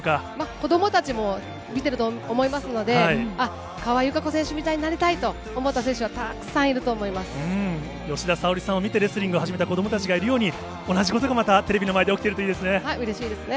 子どもたちも見てると思いますので、川井友香子選手みたいになりたいと思った選手がたくさんいると思吉田沙保里さんを見て、始めた子どもたちがいるように、同じことがまたテレビの前で起きうれしいですね。